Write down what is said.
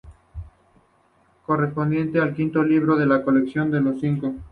Corresponde al quinto libro de la colección de Los Cinco.